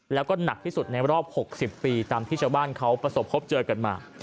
แล้วก็หนักที่สุดในรอบ๖๐ปีตามที่ชาวบ้านเขาประสบพบเจอกันมา